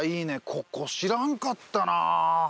ここ知らんかったな